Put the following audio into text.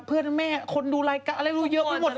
เพื่อนแม่คนดูรายการอะไรดูเยอะไม่หมด